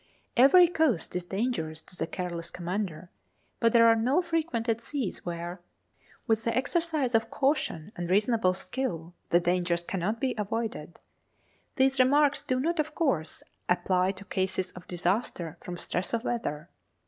Every coast is dangerous to the careless commander; but there are no frequented seas where, with the exercise of caution and reasonable skill, the dangers cannot be avoided. These remarks do not, of course, apply to cases of disaster from stress of weather.